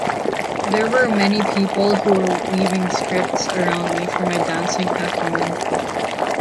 There were many people who were weaving scripts around me for my dancing acumen.